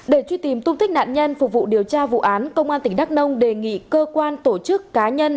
để truy tìm tung tích nạn nhân phục vụ điều tra vụ án công an tỉnh đắk nông đề nghị cơ quan tổ chức cá nhân